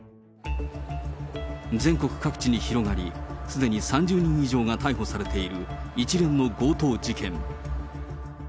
全国各地に広がり、すでに３０人以上が逮捕されている一連の強盗事件。